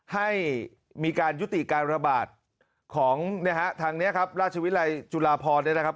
ให้มีการยุติการระบาดของนะฮะทางนี้ครับราชวิรัยจุฬาพรเนี่ยนะครับ